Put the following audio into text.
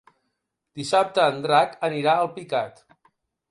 Dissabte en Drac anirà a Alpicat.